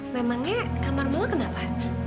memangnya kamarmu enggak kenapa